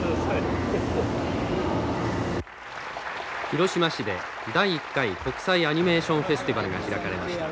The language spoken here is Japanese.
広島市で第１回国際アニメーションフェスティバルが開かれました。